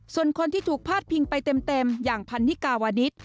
ส่วนคนที่ถูกพาดพิงไปเต็มอย่างพันนิกาวานิส